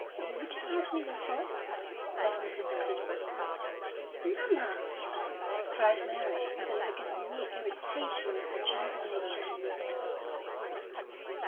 "Would you pass me the salt?" said Mrs. Clibborn. "Mamma!" cried Mary, with a look as near irritation as her gentle nature permitted.